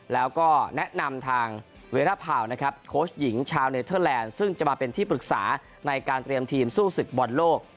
แล้วก็แนะนำทางเวราพาวนะครับโค้ชหญิงชาวเนเทอร์แลนด์ซึ่งจะมาเป็นที่ปรึกษาในการเตรียมทีมสู้ศึกบอลโลก